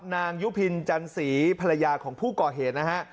นางยุพินจันสีภรรยาของผู้ก่อเหตุนะฮะ